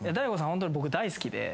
ホントに僕大好きで。